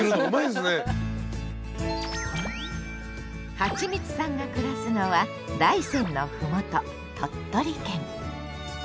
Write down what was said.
はちみつさんが暮らすのは大山のふもと鳥取県。